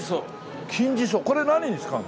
これ何に使うの？